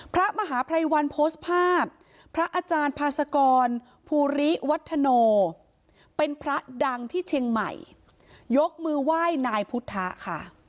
พระมหาภัยวันโพสต์ภาพพระอาจารย์พาสกรภูริวัฒโนเป็นพระดังที่เชียงใหม่ยกมือไหว้นายพุทธะค่ะ